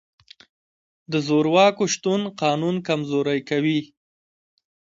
د زورواکو شتون قانون کمزوری کوي.